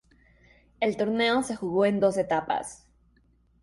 El torneo se jugó en dos etapas.